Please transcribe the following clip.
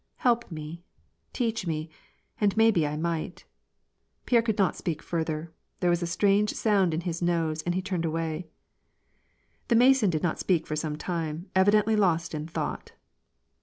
Help me I teach me, and maybe T might "— Pierre could not speak further. There was a strange sound in his nose, and he turned away. The Mason did not speak for some time, evidently lost in thought.